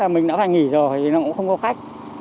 mình đã phải nghỉ rồi thì nó cũng không có khách